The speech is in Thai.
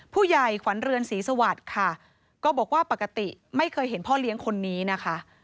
ผู้ใหญ่ขวัญเรือนศรีสวัสดิ์ค่ะก็บอกว่าปกติไม่เคยเห็นพ่อเลี้ยงคนนี้นะคะ